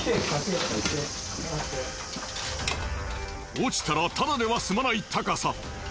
落ちたらただでは済まない高さ。